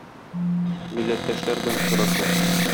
Милләттәшләр белән очрашу